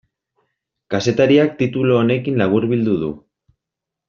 Kazetariak titulu honekin laburbildu du.